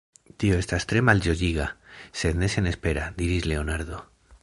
Tio estas tre malĝojiga, sed ne senespera, diris Leonardo.